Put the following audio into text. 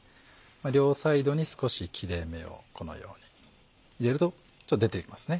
両サイドに少し切れ目をこのように入れるとちょっと出ていますね